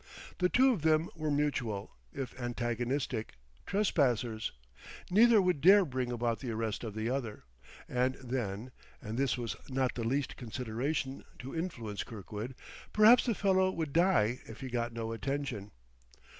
The two of them were mutual, if antagonistic, trespassers; neither would dare bring about the arrest of the other. And then and this was not the least consideration to influence Kirkwood perhaps the fellow would die if he got no attention.